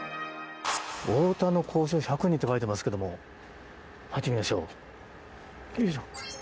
大田の工匠１００人と書いていますけど入ってみましょう。